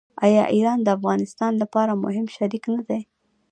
آیا ایران د افغانستان لپاره مهم شریک نه دی؟